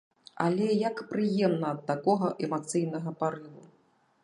Але як прыемна ад такога эмацыйнага парыву!